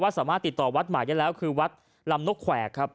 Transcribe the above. ว่าสามารถติดต่อวัดหมายได้แล้วคือวัดลำนกแขว่